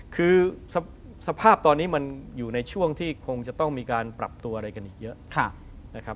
คือสภาพตอนนี้มันอยู่ในช่วงที่การปรับมีอะไรกันอีกมาก